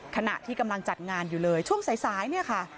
ขณะที่กำลังจัดงานอยู่เลยช่วงสายเนี่ยค่ะ